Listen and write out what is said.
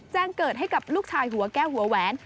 แจ้งเกิดให้กับลูกชายหัวแก้วหัวแหวน